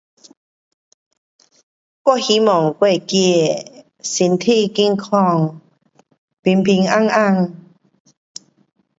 我希望我的兒子.平平安安